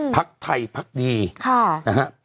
พักไทยพักดีค่ะ